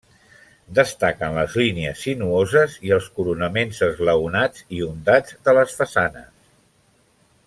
Destaquen les línies sinuoses i els coronaments esglaonats i ondats de les façanes.